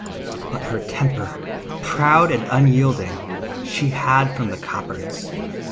But her temper, proud and unyielding, she had from the Coppards.